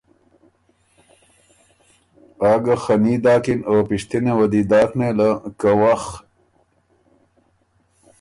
آ ګۀ خني داکِن او پِشتِنه وه دی داک نېله که وخ!